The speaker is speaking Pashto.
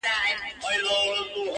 نه دي پوښتنه ده له چا کړې!!